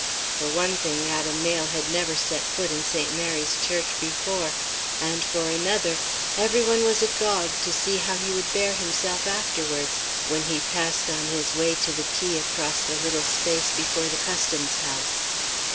For one thing, Adam Mayle had never set foot in St. Mary's Church before, and for another, every one was agog to see how he would bear himself afterwards, when he passed on his way to the quay across the little space before the Customs House.